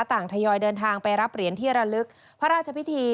ทยอยเดินทางไปรับเหรียญที่ระลึกพระราชพิธี